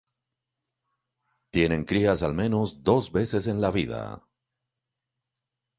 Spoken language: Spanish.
Tienen crías al menos dos veces en la vida.